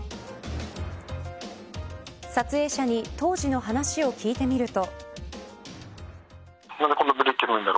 撮影者に当時の話を聞いてみると。